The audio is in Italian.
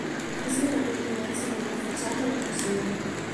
Così una doppia mensola nella facciata lo consegue.